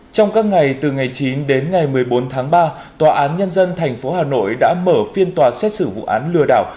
trong các ngày từ ngày chín đến ngày một mươi bốn tháng ba tòa án nhân dân tp hà nội đã mở phiên tòa xét xử vụ án lừa đảo